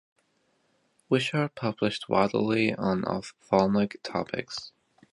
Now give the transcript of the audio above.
Wishart published widely on ophthalmic topics.